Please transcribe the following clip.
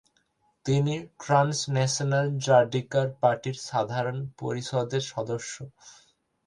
তিনি transnational radical পার্টির সাধারণ পরিষদের সদস্য।